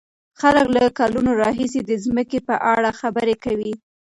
خلک له کلونو راهيسې د ځمکې په اړه خبرې کوي.